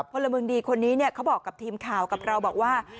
พลเมืองดีคนนี้เขาบอกกับทีมข่าวกับเราบอกว่า